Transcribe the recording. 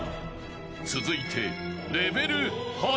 ［続いて］